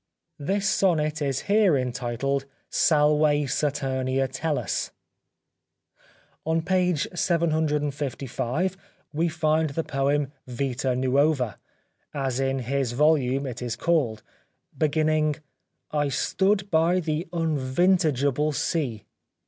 This sonnet is here entitled " Salve Saturnia Tellus." On page 755 we find the poem " Vita Nuova/' as in his volume it is called, beginning :" I stood by the unvintageable sea."